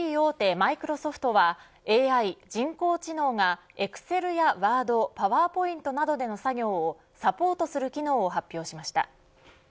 マイクロソフトはＡＩ人工知能がエクセルやワードパワーポイントなどでの作業をサポートする機能を発表しました。